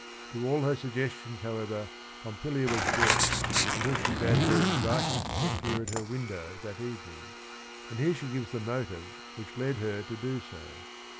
To all her suggestions, however, Pompilia was deaf until she bade her invite him to appear at her window that evening, and here she gives the motive which led her to do so.